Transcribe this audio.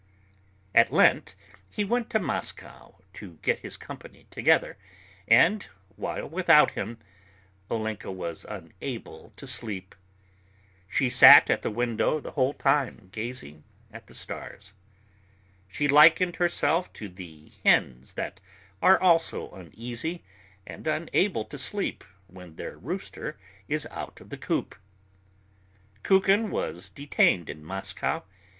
At Lent he went to Moscow to get his company together, and, while without him, Olenka was unable to sleep. She sat at the window the whole time, gazing at the stars. She likened herself to the hens that are also uneasy and unable to sleep when their rooster is out of the coop. Kukin was detained in Moscow.